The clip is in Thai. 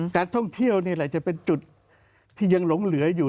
การท่องเที่ยวนี่แหละจะเป็นจุดที่ยังหลงเหลืออยู่